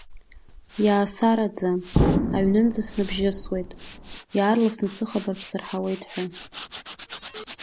Иаасараӡа, аҩнынӡа снабжьысуеит, иаарласны сыхабар бсырҳауеит ҳәа.